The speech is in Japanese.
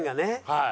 はい。